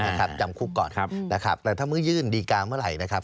จำคุกก่อนครับนะครับแต่ถ้าเมื่อยื่นดีการเมื่อไหร่นะครับ